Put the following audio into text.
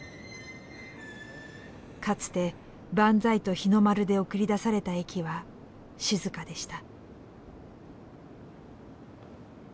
かつて万歳と日の丸で送り出された駅は静かでした。